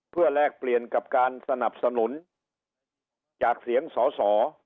เพื่อแลกเปลี่ยนกับการสนับสนุนจากเสียงสอสอ